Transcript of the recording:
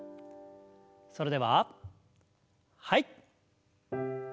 それでははい。